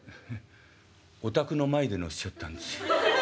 「お宅の前で乗せちゃったんです。